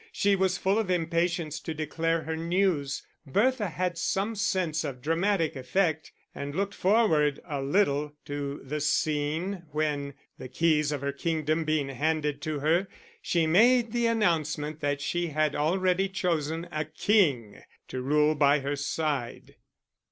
She was full of impatience to declare her news. Bertha had some sense of dramatic effect and looked forward a little to the scene when, the keys of her kingdom being handed to her, she made the announcement that she had already chosen a king to rule by her side.